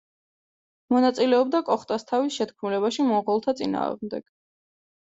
მონაწილეობდა კოხტასთავის შეთქმულებაში მონღოლთა წინააღმდეგ.